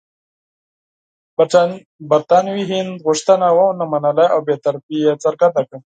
برټانوي هند غوښتنه ونه منله او بې طرفي یې څرګنده کړه.